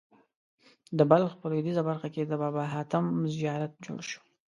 د بلخ په لوېدیځه برخه کې د بابا حاتم زیارت جوړ شو.